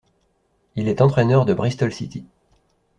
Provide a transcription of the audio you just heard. Il est entraineur de Bristol City.